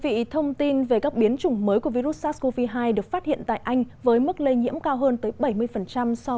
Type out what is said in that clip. thưa quý vị thông tin về các biến chủng mới của virus sars cov hai được phát hiện tại anh với mức lây nhiễm cao hơn tới bảy mươi so với chủng gốc đang khiến nhiều nước lo ngại